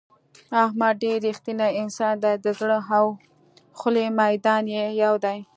احمد ډېر رښتینی انسان دی د زړه او خولې میدان یې یو دی.